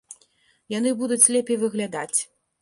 Яны будуць лепей выглядаць.